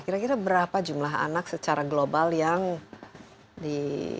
kira kira berapa jumlah anak secara global yang di